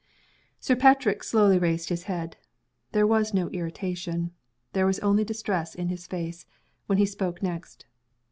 Sir Patrick slowly raised his head. There was no irritation there was only distress in his face when he spoke next.